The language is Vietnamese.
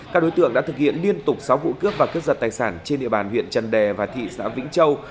các đối tượng đã thực hiện liên tục sáu vụ cướp và cướp giật tài sản trên địa bàn huyện trần đè và thị xã vĩnh châu